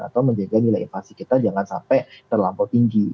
atau menjaga nilai inflasi kita jangan sampai terlampau tinggi